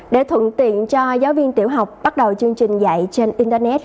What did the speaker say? để thuận tiện cho giáo viên tiểu học bắt đầu chương trình dạy trên internet